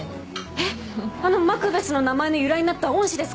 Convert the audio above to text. えっあのマクベスの名前の由来になった恩師ですか？